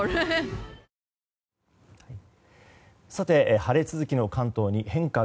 晴れ続きの関東に変化が。